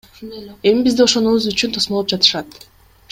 Эми бизди ошонубуз үчүн тосмолоп жатышат.